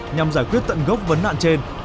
nhằm giải quyết tận gốc vấn nạn trên